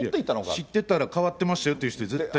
知ってたら変わってましたよって人も。